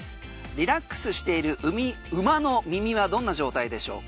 リラックスしている馬の耳はどんな状態でしょうか？